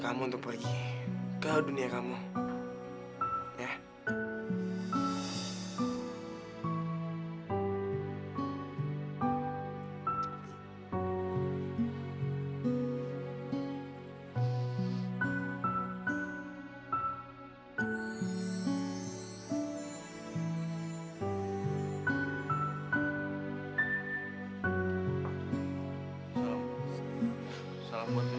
kamu kenapa sih harus gitu